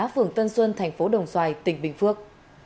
phường tân xuân thành phố đồng xoài tỉnh bình phước